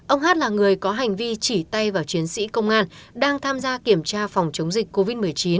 ông hát là người có hành vi chỉ tay vào chiến sĩ công an đang tham gia kiểm tra phòng chống dịch covid một mươi chín